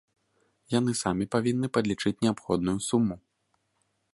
Яны самі павінны падлічыць неабходную суму.